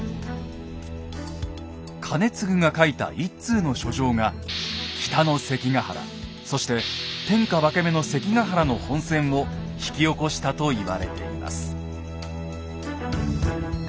兼続が書いた一通の書状が北の関ヶ原そして天下分け目の関ヶ原の本戦を引き起こしたと言われています。